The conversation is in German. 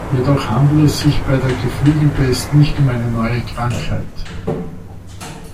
Jedoch handelt es sich bei der Geflügelpest nicht um eine neue Krankheit.